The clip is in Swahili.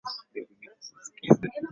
an kwa siku ya tano hivi leo